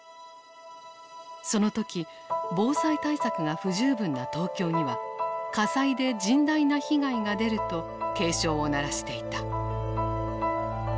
その時防災対策が不十分な東京には火災で甚大な被害が出ると警鐘を鳴らしていた。